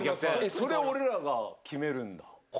それを俺らが決めるんだ。